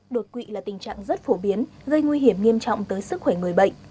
đột quỵ là tình trạng rất phổ biến gây nguy hiểm nghiêm trọng tới sức khỏe người bệnh